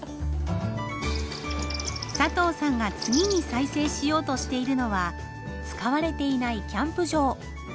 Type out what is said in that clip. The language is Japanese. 佐藤さんが次に再生しようとしているのは使われていないキャンプ場。